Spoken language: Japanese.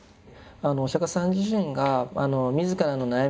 お釈迦様自身が自らの悩み